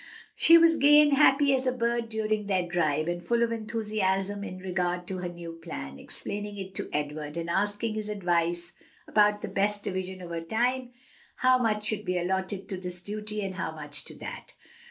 She was gay and happy as a bird during their drive, and full of enthusiasm in regard to her new plan, explaining it to Edward, and asking his advice about the best division of her time, how much should be allotted to this duty and how much to that.